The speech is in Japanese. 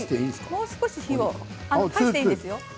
もう少し火を強めていいですよ。